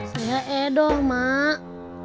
saya edoh mak